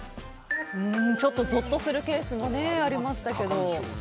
ちょっとゾッとするケースもありましたけど。